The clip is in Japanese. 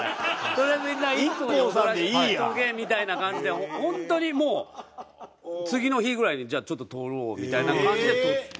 とりあえずじゃあＩＫＫＯに踊らしとけみたいな感じで本当にもう次の日ぐらいにじゃあちょっと撮ろうみたいな感じで撮って。